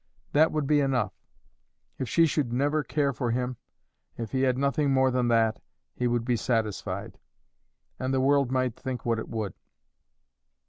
That would be enough; if she should never care for him, if he had nothing more than that, he would be satisfied, and the world might think what it would.